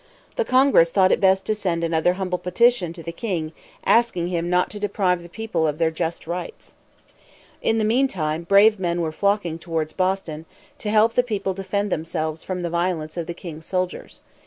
The Congress thought it best to send another humble petition to the king, asking him not to deprive the people of their just rights. In the meantime brave men were flocking towards Boston to help the people defend themselves from the violence of the king's soldiers.